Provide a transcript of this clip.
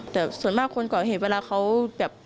แต่ส่วนมากคนก็เห็นเวลาเขา